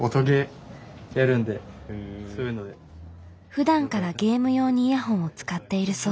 ふだんからゲーム用にイヤホンを使っているそう。